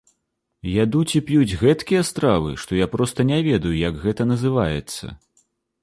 Ядуць і п'юць гэткія стравы, што я проста не ведаю, як гэта называецца.